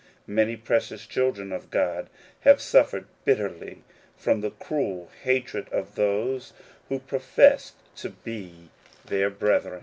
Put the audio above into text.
Many precious children of God have suffered bitterly from the cruel hatred of those who professed to be their brethren.